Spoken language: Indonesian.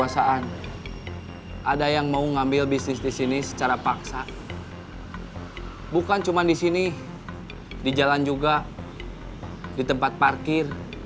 saya mau ke tempat parkir